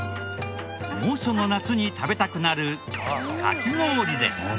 猛暑の夏に食べたくなるかき氷です。